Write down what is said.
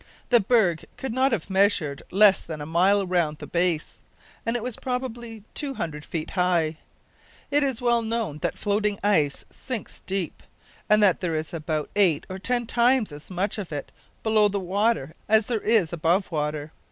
The berg could not have measured less than a mile round the base, and it was probably two hundred feet high. It is well known that floating ice sinks deep, and that there is about eight or ten times as much of it below as there is above water.